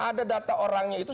ada data orangnya itu